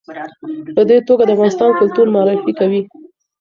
په دې توګه د افغانستان کلتور معرفي کوي.